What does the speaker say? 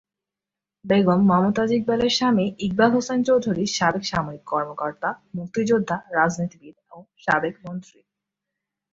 বেগম মমতাজ ইকবালের স্বামী ইকবাল হোসাইন চৌধুরী সাবেক সামরিক কর্মকর্তা, মুক্তিযোদ্ধা, রাজনীতিবিদ ও সাবেক মন্ত্রী।